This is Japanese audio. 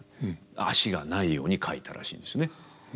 足がないように描いたらしいんですね